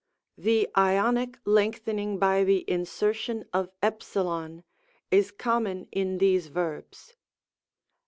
The Ionic lengthening by the insertion of f, is common in these verbs.